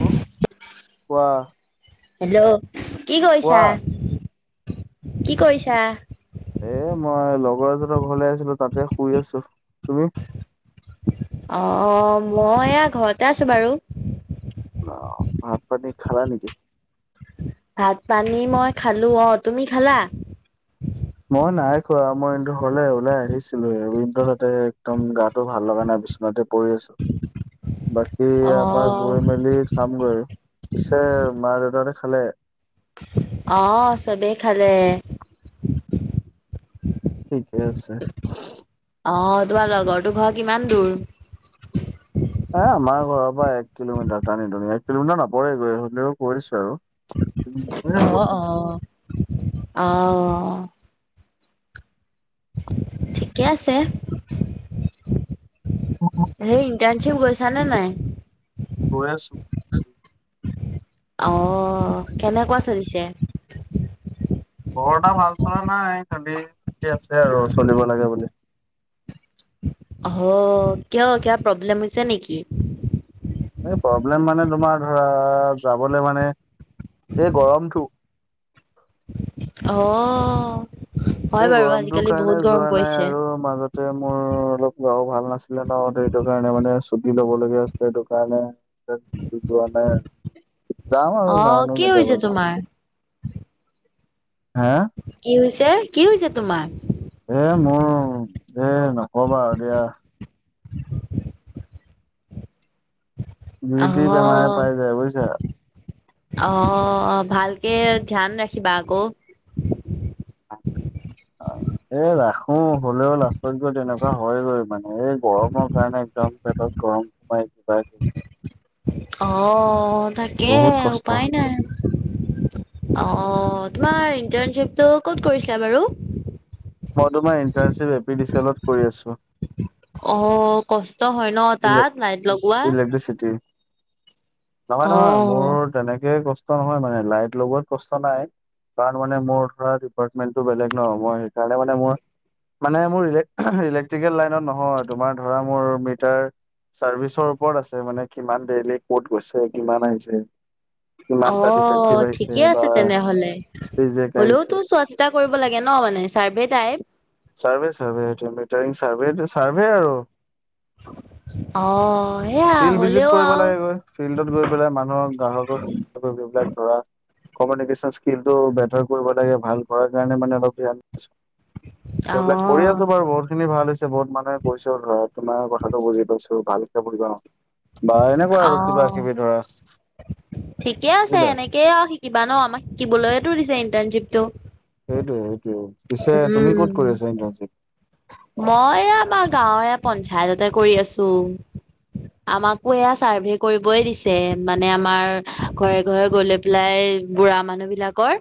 Hello কোৱা? Hello কি কোৱা কৰিছা কি কৰিছা? এ' মই লগৰ এজনৰ ঘৰলে আহিছিলো তাতে শুই আছো, তুমি? অ' মই এয়া ঘৰতে আছো বাৰু। অ' ভাত পানী খালা নেকি? ভাত পানী মই খালো অ' তুমি খালা? মই নাই খোৱা, মই ঘৰলে ওলাই আহিছিলো আৰু ই তাতে একদম গাত। ভাল লগা নাই বিচনাথতে পৰি আছো, বাকী অ ইয়াৰ পৰা গৈ মেলি। খামগৈ, পিছে মা দেউততে খালে? অ' চবেই খালে। ঠিকে আছে। অ' তোমাৰ লগৰটো ঘৰ কিমান দূৰ? এ' আমাৰ ঘৰৰ পৰা এক কিলোমিটাৰ টানিনি এক কিলোমিটাৰ নপৰেগৈ স কৈ দিছো আৰু। হ'ব অ' চাগে অ' আহ। ঠিকে আছে। অঁ অঁ। সেই ইণ্টাৰ্ণশ্বিপ গৈছানে নাই? গৈ আছো। অ' কেনেকুৱা চলিছে? বৰ এটা ভাল চলা নাই, খালী চলি আছে আৰু চলিব লাগে বুলি। অঁ, কিয় কিবা প্ৰব্লেম হৈছে নেকি? এই প্ৰব্লেম মানে তোমাৰ ধৰা যাবলে মানে এই গৰমটো। অঁ, এই হয় বাৰু গৰমটোৰ আজিকালি কাৰণে বহুত যোৱা গৰম নাই পৰিছে। আৰু মাজতে মোৰ অলপ গাও ভাল নাছিলে ন, এইটো কাৰণে মানে ছুটি লব লগীয়া আছিল সেইটো কাৰণে। ছুটি পোৱা নাই, যাম আৰু অ যাও নো কি হৈছে কেতিয়াবা যাওঁ। তোমাৰ? হা। কি হৈছে, কি হৈছে তোমাৰ? এ মোৰ, এ নকবা আৰু দিয়া। যি তি বেমাৰে পাই যায় বুজিছা। অঁ ভালকে ধ্যান ৰাখিবা আকৌ। উম। এ ৰাখো হ'লেও লাষ্টত গৈ তেনেকুৱা হয়গৈ মানে এই গৰমৰ কাৰণে একদম পেটত গৰম। [inaudible] অঁ তাকে বহুত কষ্ট উপায় নাই। অঁ তোমাৰ ইন্টাৰ্নশ্বিপটো কত কৰিছিলা বাৰু? মই তোমাৰ ইন্টাৰ্নশ্বিপটো এপিডিচিএলত কৰি আছো। অঁ কষ্ট হয় ন ইলে তাত লাইট লগোৱা। [inaudible] নহয় নহয়, অহ মোৰ তেনেকে কষ্ট নহয় মানে লাইট লগোৱাত কষ্ট নাই। কাৰণ মানে মোৰ ডিপাৰ্টমেন্টটো বেলেগ ন, মই সেইকাৰণে মানে মই- মানে মোৰ ইলেক্ট্ৰিকেল লাইনত নহয়, তোমাৰ ধৰা মোৰ মিটাৰ- চাৰ্ভিচৰ ওপৰত আছে মানে কিমান দেৰিলৈকে ক'ত গৈছে, কিমান আহিছে? কিমানটা অঁ ডিফেক্টিভ আহিছে ঠিকে আছে বা তেনেহলে। ৰিজেক্ট হ'লেও আহিছে তো চোৱা চিতা কৰিব লাগে ন মানে চাৰ্ভে টাইপ। চাৰ্ভে চাৰ্ভে, এতিয়া মিটাৰিং চাৰ্ভে চাৰ্ভে আৰু। অঁ। ফিল্ড ভিজিট কৰিব লাগে গৈ। ফিল্ডত গৈ পেলাই মানুহক গ্ৰাহকক- যিবিলাক ধৰা কমিউনিকেল স্কিলটো বেটাৰ কৰিব লাগে, ভাল কৰিব লাগে কাৰণে মানে অলপ ধৰা- সেইবিলাক কৰি অহ আছো বাৰু। বহুত খিনি ভাল হৈছে বহুত মানুহে কৈছে ধৰা তোমাৰ কথা। বুজিলো। বালিকা গাওঁ। বা এনেকুৱা আৰু কিবা অহ কিবি ধৰা বুজিলা। ঠিকেই আৰু শিকিবা ন আমাক শিকিবলৈতো দিছে ইণ্টাৰ্ণশ্বিপটো। সেইটোয়ে সেইটোয়ে। পিছে তুমি ক'ত উম, কৰি আছা ইণ্টাৰ্ণশ্বিপটো? মই আমাৰ গাঁৱৰ এ পঞ্চায়ততে কৰি আছো। আমাকো এয়া চাৰ্ভে কৰিবই দিছে মানে আমাৰ ঘৰে ঘৰে গলে- পেলাই বুঢ়া মানুহ বিলাকৰ,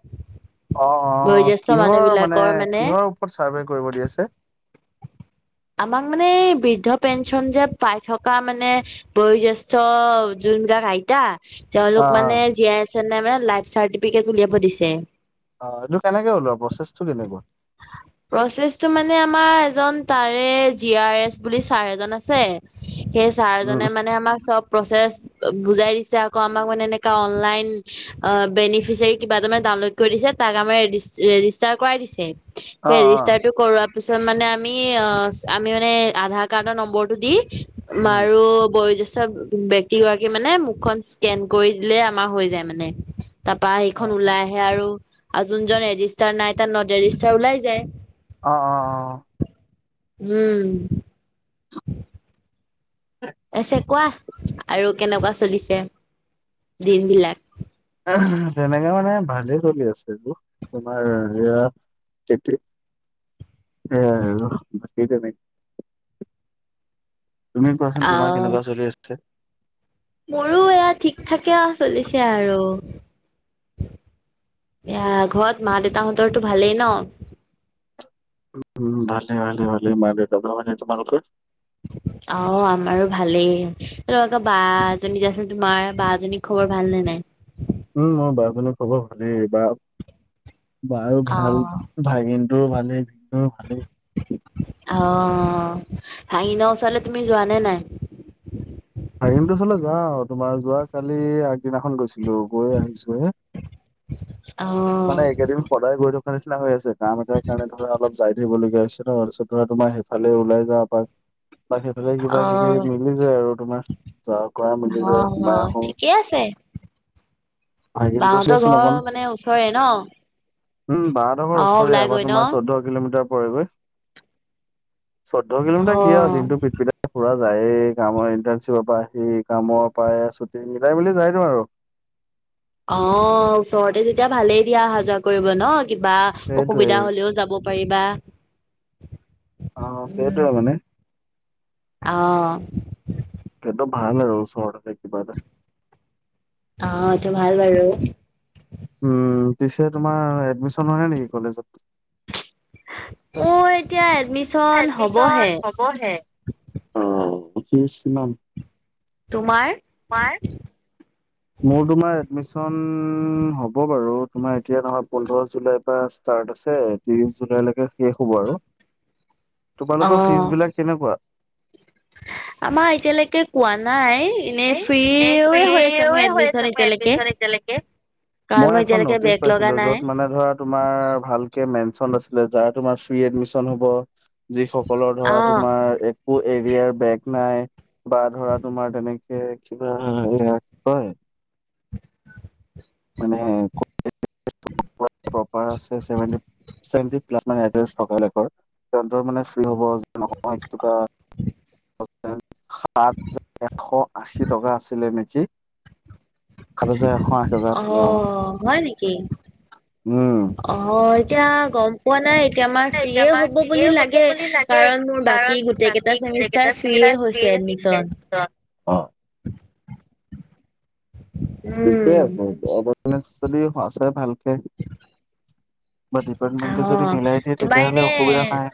অ অ বয়োজ্যেষ্ঠ মানুহ বিলাকৰ মানে- কত চাৰ্ভে কৰিব দি আছে? আমাক মানে এই বৃদ্ধ পেঞ্চন যে পাই থকা মানে- বয়োজ্যেষ্ঠ যোনবিলাক আইটা- তেওঁলোক অ মানে জীয়াই আছে নে নাই মানে লাইফ চাৰ্টিফিকেট উলিয়াব দিছে। অঁ এইটো কেনেকে উলাব আৰু প্ৰচেছটো কেনেকুৱা? প্ৰচেছটো মানে আমাৰ এজন- তাৰে জি আৰ এছ বুলি চাৰ এজন আছে সেই উম চাৰজনে মানে আমাক চব- প্ৰচেছ বুজাই দিছে আকৌ আমাক মানে এনেকুৱা অনলাইন- অ বেনিফিছেৰি কিবা এটা মানে ডাওউনলদ কৰি দিছে তাক আমাক ৰে ৰেজিষ্টাৰ কৰাই দিছে অ অ ৰেজিষ্টাৰটো কৰোৱা পিছত মানে আ মি আমি মানে আধাৰ কাৰ্ডৰ নম্বৰটো দি উম। মাৰো বয়োজ্যেষ্ঠ ব্য ক্তি গৰাকী মানে মুখখন স্কেন কৰি দিলে আমাৰ হৈ যায় মানে তাৰপা অ সেইখন ওলাই আহে আৰু যোনজন ৰেজিষ্টাৰ নাই তাত নট ৰেজিষ্টাৰ ওলাই যায় অ অ অ উম এছে কোৱা কেনেকৱা চলিছে দিনবিলাক? তেনেকে মানে ভালে চলি আছে আৰু তোমাৰ এয়া তেপিক সেয়াই আৰু বাকি তেনেকুৱা তুমি কোৱাচোন তোমাৰ আহ কেনেকুৱা চলি আছে? মোৰো এয়া ঠিক-ঠাকে চলিছে আৰু এয়া ঘত মা-দেউতাহঁতৰটো ভালেই ন? উম ভালে ভালে ভালে মা-দেউতা ভাগৰ, তোমালোকৰ? [unintelligible] অ আমাৰো ভালেই অ তহঁত বা এজনী যে আছিল তোমাৰ বাজনী খবৰ ভাল নে নাই উম মো বাই-ভনী খবৰ ভালেই বা বাৰও অ ভাল ভাগিনটোৰো ভালেই মোও ভালেই অ ভাগিনৰ ওচলে তুমি যোৱা নে নাই ভাগিনটো ওচলে যাওঁ তোমাৰ যোৱা কালি আগদিনাখন গৈছিলো গৈ আহিছো হে অ মানে এইকেদিন সদায় গৈ থকা নিচিনা হৈ আছে কাম এটাৰ কাৰণে ধৰা অলপ যাই থাকিবলগীয়া হৈছে ত তাপিছত ধৰা তোমাৰ সেইফালে ওলাই যাওঁ এপাক বা সেইফালে অ কিবা কিবি মিলি যায় আৰু তোমাৰ যোৱা কৰা মিলি অ যায় অ সোমাই আহো ঠিকে আছে ভাগিনটো বাহতৰ দিয়াচোন ঘৰ অকণ মানে ওচৰে ন উম বাহঁতৰ ঘৰ অ ওচৰে ওলাই আমাৰ গৈ ন তোমাৰ চৌধ কিলোমিটাৰ পৰেগৈ চৈধ্য কিলোমিটাৰ কি আও অ দিনটো পিত-পিতাই পুৰা যায়েই কামৰ ইণ্টাৰ্ণশ্বিপৰ পৰা আহি কামৰ পৰা ছুটী মিলাই মিলি যায়টো আৰু অ ওচৰতে যেতিয়া ভালেই দিয়া অহা-যোৱা কৰিব ন কিবা সেইটোৱে অসুবিধা হলেও যাব পাৰিবা অ অ সেইটোয়ে মানে অ সেত ভাল আৰু ওচৰতে কিবা এটা অ সেতু ভাল বাৰু উম পিছে তোমাৰ এডমিছন নহয় নে নেকি কলেজত অ এতিয়া এডমিচন এডমিছন হ'বহে হবহে, অ ফিজ কিমান? তোমাৰ? মাৰ মোৰ তোমাৰ এডমিচন হ'ব বাৰু তোমাৰ এতিয়া নহয় পোন্ধৰ জুলাই পৰা ষ্টাৰ্ট আছে ত্ৰিশ জুলাইলেকে শেষ হ'ব আৰু [inaudible] তোমালোকৰ অ', ফিজ বিলাক কেনেকুৱা? আমা এতিয়ালে কে কোৱা নাই। এনে ন এ ফ্ৰী ফ্ৰীয়ে হৈ আছে মোৰ হয় হয় এডমিচন আছে মো এতিয়ালৈকে এডমিচন এতিয়া লেকে। কাৰণ মই এখন এতিয়ালৈকে নটিচ বেক লগা পাইছিলো নাই যত মানে- ধৰা তোমাৰ ভালকে মেনচন আছিলে যাৰ তোমাৰ ফ্ৰী এডমিশন হ'ব- যি সকলৰ ধৰা অ', তোমাৰ এক- কো এৰিয়াৰ বেগ নাই বা ধৰা তোমাৰ তেনেক- এ কিবা হয় কয়- মানে কপাৰ আছে। এতেন্দেন্স থকা বিলাকৰ তেনতৰ মানে ফ্ৰী হ'ব নহয় কিবা- প্লিছ। সাত এশ আশী টকা আছিলে নেকি। সাত হাজাৰ এশ আশী টকা অঁ আছিলে অ হয় নেকি। উম অঁ এতিয়া গম- পোৱা নাই এতিয়া আমাৰ এতিয়া ফ্ৰীয়ে আমাক হ'ব দিয়ে বুলি হ'ব লাগে বুলি লাগে কাৰণ মোৰ কাৰণ বাকী গোটেই বাকী গেটা গোটেই চেমিছ- তাৰ কেইটা ফ্ৰীয়ে হৈছে এডমিশন। অঁ। ঠিকে উম, আছে অবদনেছ যদি আছে ভালকে। বা ডিপাৰ্টমেন্টে যদি অ', মিলাই দিয়ে তোমাৰ তেতিয়াহ'লে এনে অসুবিধা নাই।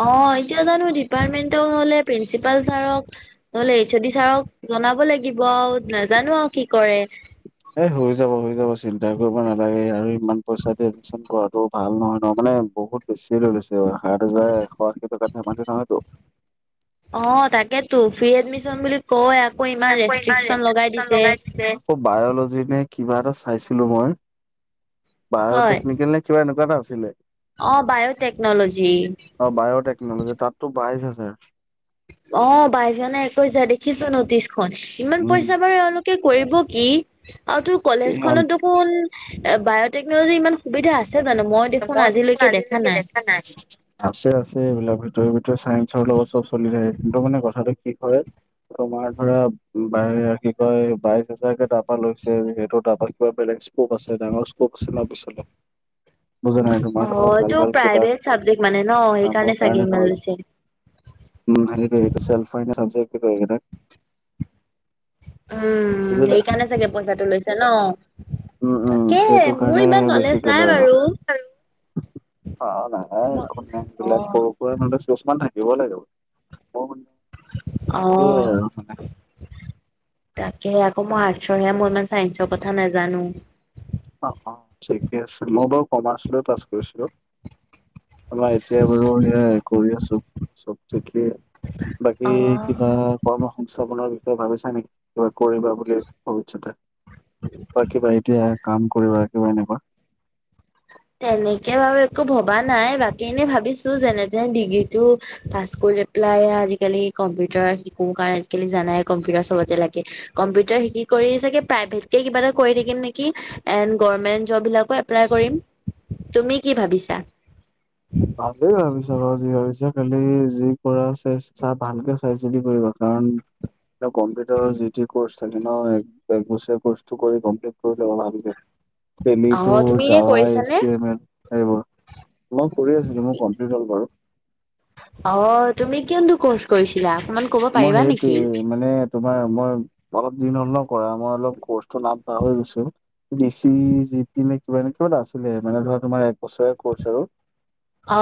অঁ এতিয়া জানো ডিপাৰ্টমেন্ট হলে প্ৰিন্সিপাল ছাৰক- নহ'লে এইচ অদি ছাৰক জনাব লাগিব আৰু নাজানো আৰু কি কৰে। এ হৈ যাব হৈ যাব চিন্তা কৰিব নালাগে আৰু ইমান পইচা দি এডমিছন কৰ- ত ভাল নহয় নহ মানে বহুত বেছি লৈ লৈছে সাত হাজাৰ এশ আশী টকা ধেমালি নহয়তো। অঁ তাকেতো ফ্ৰী এডমিশন বুলি কয় আকৌ ইমান ৰেষ্ট্ৰিকচন লগাই দিছে। আক বায়লজি নে কিবা এটা চাইছিলো মই বায়টেকনিকেল নে- কিবা এনেকুৱা ঐটা আছিলে। অঁ বায়টেকনলজি। অঁ বায়টেকনলজি তাতো বাইচ আছে। অঁ বাইছজানে একৈছজা দেখিছো নতিশখন ইমান উম পইচা বাৰু এওঁলোক- কে কৰিব কি আৰু তোৰ সিহঁত কলেজখনতো- খোন বায়'টেকনলজিৰ ইমান সুবিধা আছে জানো মই দেখোন আজিলৈকে দেখা নাই। নাই। আছে আছে এইবিলাক ভিতৰে ভিতৰে চাইন্সৰ লগত চব চলি থাকে কিন্তু মানে কথাটো কি হল- তোমাৰ ধৰা বায় কি কয় বাইশ হাজাৰ কে তপা লৈছে সেইটো তাপা কিবা বেলেগ- সপ আছে ডাঙৰ স্কক আছেনা পিছলে। বুজা নাই অ', তোমাৰ ধৰা ভাল এইটো ভাল কিবা প্ৰাইভেট চাবজেক্ট মানে ন সেইকাৰণে কামৰ চাগে কাৰণে- ইমান লৈছে। উম সেটোৱেটো চেলফাইনে চাবজেক কেইটা এইকেইটাক। উম বুজিলা সেইকাৰণে চাগে পইচাটো লৈছে ন। উম উম' তাকে সেইটো মোৰ কাৰণে ইমান নলেজ বেছিকে নাই লয় বাৰু। আৰু। অ অ নাজাই একো অ', নেজবিলাকো। চুচমান থাকিব লাগিব। অঁহ। তাকে সে আকৌ মই আৰ্টচৰ সে মই ইমান চাইন্সৰ কথা নাজানো। অঁ অঁ ঠিকে আছে মই বাৰু কমাৰ্চলৈ পাছ কৰিছিলো। আমাৰ এতিয়াই বাৰু সেয়া কৰি আছো চব থিকে বাকী অ', কিবা- কৰ্ম সংস্থাপনৰ বিষয়ে ভাবিছা নেকি কিবা কৰিবা বুলি ভৱিষ্যতে? বা কিবা এতিয়া কাম কৰিবা কিবা এনেকুৱা। তেনেকে বাৰু একো ভবা নাই বাকী এনে ভাবিছো যেনে তেনে ডিগ্ৰীটো। ক কৰি পেলাই আজিকালি কম্পিউটাৰ শিকো কাৰণে কেলে জানাই কম্পিউটাৰ চবতে লাগে। কম্পিউটাৰ শিকি কৰি চাগে প্ৰাইভেটকে কিবা এটা কৰি থাকিম নেকি। এন গমেন্ট জব বিলাকো এপ্লাই কৰিম তুমি কি ভাবিছা। ভালেই ভাবিছ বাৰু যি ভাবিছ খালি যি কৰা চাই চা ভালকে চাই চিদি কৰিবা কাৰণ। কম্পিউটাৰৰ যি তি কৰ্চ থাকে ন এক বছৰে কৰ্চটো কৰি কমপ্লিট কৰি ল'বা ভালকে। অহ দেলিটো তুমি এনে কৰিছানে? যাৱাই [inaudible] এইবোৰ। মই কৰি আছিলো মোৰ কমপ্লিট হল বাৰু। অ তুমি কিয়ো কৰ্চ কৰিছিলামান। মই সেইটোয়ে মানে। তোমাৰ মই অলপ দিন হ'ল ন কৰা মই অলপ কৰ্চটোৰ নাম পাহৰি গৈছো। বি চি জি পি নে কিবা নে কিবা এটা আছিলে মানে ধৰা তোমাৰ এক বছৰিয়া কৰ্চ আৰু। অ।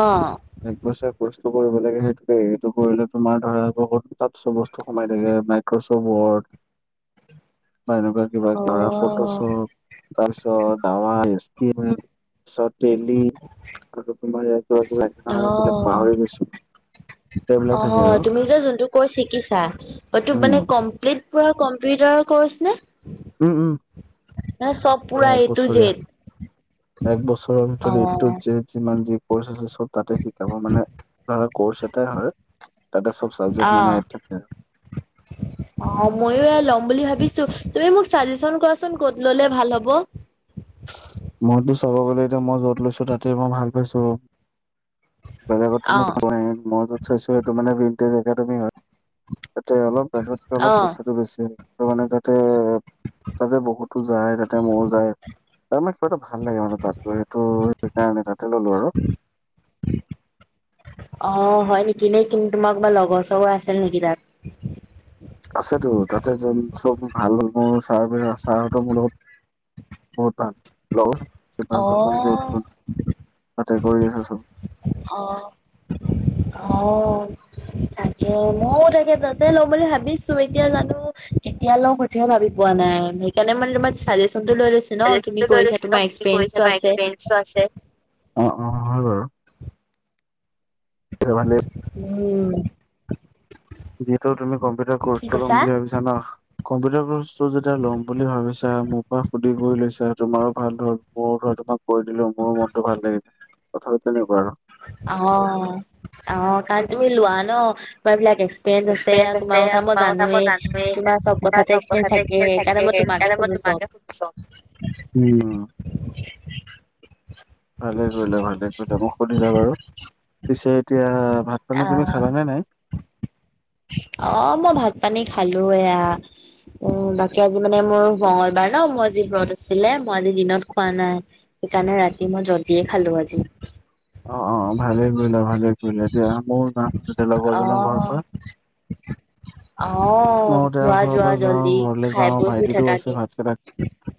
এক বছৰবছৰীয় কৰ্চটো কৰিব লাগে সেইটোকে এইটো কৰিলে তোমাৰ ধৰা বহুত। তাত চব বস্তু সোমাই থাকে মাইক্ৰচফ বত। বা এনেকুৱা কিবা কিব ধৰা ফটো অহ চব। [unintelligible] অ সেইবিলাক অ থাকে আৰু তুমি যে যোন তো। কৰ্চ শিকিছা ত মানে উম কমপ্লিত মানে কম্পিউটাৰ কৰ্চ নে। উম উম নে চব পুৰা এক এটো বছৰীয়া যেদ। এক বছৰ ভিতৰত এটো যেদ। যিমান যি কৰ্চ আছে চব তাতে শিকাব মানে ধৰা কৰ্চ এটাই হয় তাতে চব। চাবজেক মানে অ'। থাকে। [unintelligible] অ ময়ো এ ল'ম বুলি ভাবিছো তুমি মোক চাজেচন কৰাচোন ক'ত ললে ভাল হ'ব। মোৰতো চাব গ'লে এতিয়া মই য'ত লৈছো তাতে মই ভাল পাইছো আৰু। বেলেগত [inaudible] অ', তুমি মই যত চাইছো সেতো মানে তুমি হয়। ত অলপ বাজতকৈ অলপ অ', পইচাটো বেচি মানে তাতে। তাতে বহুতো যায় তাতে মৌ যায়। তাৰমানে কিবাটো ভাল লাগে মানে তাত গৈ সেইটো সেইকাৰণে তাতে ললো আৰু। অ হয় নেকি নেই কিন্তু তোমাৰ বা লগৰ চৰ আছে নেকি তাত। আছেতো তাতে যল চব ভাল মোৰ চাৰ ছাৰহতৰ মোৰ লগত। বৰ লগতিপাঞ্চত যে উদ অ', তাতে কৰি আছে চব। অ অ। তাকে মও তাকে তাতে লম বুলি ভাবিছো এতিয়া জানো কেতিয়া লওঁ। এয়া ভাবি পোৱা নাই সেইকাৰণে মই তোমাৰাজেচনটো লৈ লৈছো ন তুমি ৰিলেচনটো লৈ কৰিছা লৈছো ন, তোমাৰ তুমি কৰিছা এক্সপিৰিয়েঞ্চটো বা আছে। এক্সপিৰিয়েঞ্চো অ অ হয় বাৰু। [unintelligible] উম। যিহেতু তুমি কম্পিউটাৰ কি কৰ্চটো কৈছা? ল'ম ভিছা ন কম্পিউটাৰ কৰ্চ। টো যেতিয়া ল'ম বুলি ভাবিছা মোৰ পৰা সুধি কৰি লৈছা তোমাৰো ভাল ধৰ মোৰ ধৰা তোমাক। কৈ দিলো মোৰ মনটো ভাল লাগিলে কথাতো তেনেকুৱা আৰু। আঅ আঅ কাৰণ তুমি লোৱা ন এবিলাক এক্স। পিৰিয়েঞ্চ আছে তোমাৰ কথা মই জানোৱেই তোমাৰ চব কথা এক্সপিৰিয়েঞ্চ থাকে সেইকাৰণে মই তোমাকে শুধিছো আৰু। চ, উম, ভালে কৰিলে ভালে। াক ঔষুধিলা বাৰু, পিছে এতিয়া ভাত পানী তুমি আহ খালা নে নাই? অ', মই ভাত পানী খালো এয়া উম, বাকী আজি মানে মোৰ মঙগলবাৰ ন, মোৰ আজি ব্ৰত আছিলে, মই আজি দিনত খোৱা নাই। সেইকাৰণে ৰাতি মই জলদিয়ে খালো আজি। অ' অ', ভালে কৰিলা, ভালে কৰিলা দিয়া, এতিয়া ময়ো যাম এতিয়া লগৰজনৰ ঘৰৰ পৰা। অ', অ', তেওঁ যোৱা ঘৰৰ যোৱা পৰা যাওঁ, জল্দি ঘৰলে খাই যাওঁ, বৈ শুই ভাইটিটো থাকাগে আছে ভাতকেইটাক